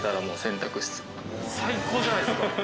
最高じゃないっすか。